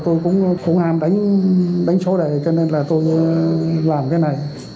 tôi cũng không hàm đánh chỗ này cho nên là tôi làm cái này